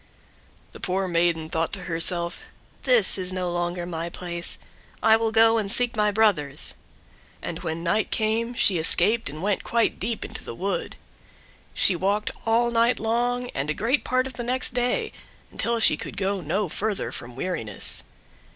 The poor maiden thought to herself: "This is no longer my place, I will go and seek my brothers;" and when night came she escaped and went quite deep into the wood. She walked all night long and great part of the next day, until she could go no further from weariness.